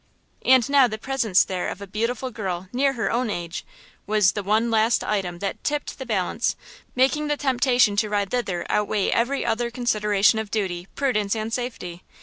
And now the presence there of a beautiful girl near her own age was the one last item that tipped the balance, making the temptation to ride thither outweigh every other consideration of duty, prudence and safety.